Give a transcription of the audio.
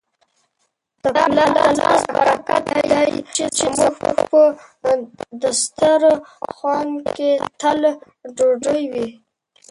د پلار د لاس برکت دی چي زموږ په دسترخوان کي تل ډوډۍ وي.